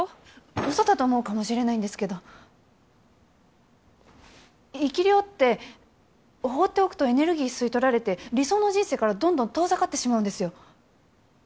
うそだと思うかもしれないんですけど生霊って放っておくとエネルギー吸い取られて理想の人生からどんどん遠ざかってしまうんですよ。